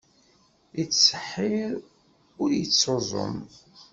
Ittṣeḥḥir, ur ittuẓum.